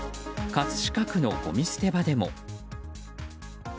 葛飾区のごみ捨て場でも。